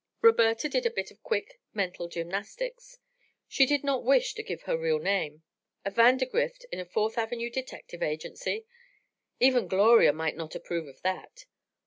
Roberta did a bit of quick mental gymnastics. She did not wish to give her real name. A Vandergrift in a Fourth Avenue detective agency! Even Gloria might not approve of that.